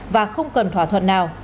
và không cần thỏa thuận nào